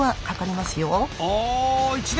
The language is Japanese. お１年！